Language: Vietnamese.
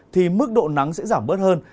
thì mức độ nắng sẽ giảm bớt hơn